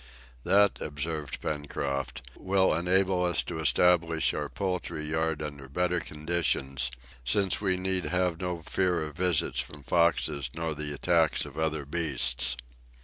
"That," observed Pencroft, "will enable us to establish our poultry yard under better conditions, since we need have no fear of visits from foxes nor the attacks of other beasts."